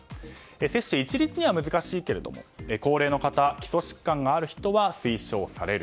接種、一律には難しいけれども高齢の方、基礎疾患のある人は推奨される。